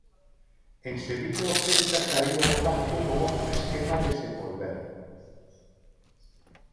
En Sevilla o Celta saíu ao campo con outro esquema a desenvolver.